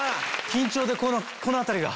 緊張でこの辺りが。